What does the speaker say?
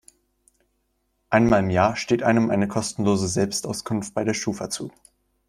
Einmal im Jahr steht einem eine kostenlose Selbstauskunft bei der Schufa zu.